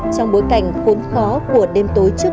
trong bối cảnh khốn khó của đêm tối trước